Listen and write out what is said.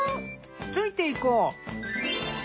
ついて行こう。